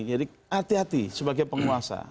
jadi hati hati sebagai penguasa